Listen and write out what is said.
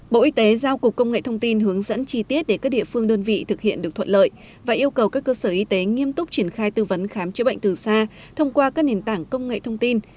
bộ y tế giao cục công nghệ thông tin hướng dẫn chi tiết để các địa phương đơn vị thực hiện được thuận lợi và yêu cầu các cơ sở y tế nghiêm túc triển khai tư vấn khám chữa bệnh từ xa thông qua các nền tảng công nghệ thông tin